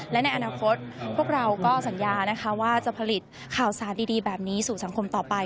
และในอนาคตพวกเราก็สัญญานะคะว่าจะผลิตข่าวสารดีแบบนี้สู่สังคมต่อไป